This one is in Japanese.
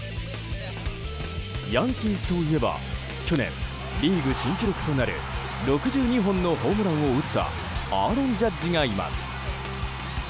ヤンキースといえば去年、リーグ新記録となる６２本のホームランを打ったアーロン・ジャッジがいます。